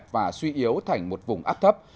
và suy yếu thành một vùng áp thấp